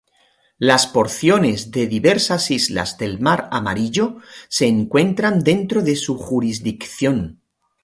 Las porciones de diversas islas del Mar Amarillo se encuentran dentro de su jurisdicción.